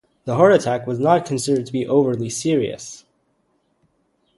The heart attack was not considered to be overly serious.